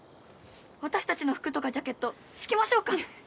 私たちの服とかジャケット敷きましょうか？